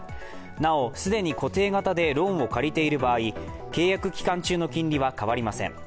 なお、既に固定型でローンを借りている場合契約期間中の金利は変わりません。